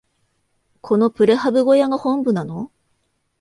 このプレハブ小屋が本部なの？